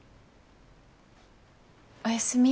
おやすみ。